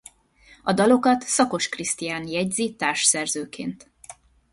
A dalokat Szakos Krisztián jegyzi társszerzőként.